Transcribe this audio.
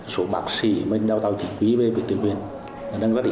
số bác sĩ mà đào tạo thí quý về tiền quyền là đang rắc rỉ